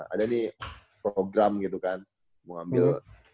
ada nih program gitu kan mau ambil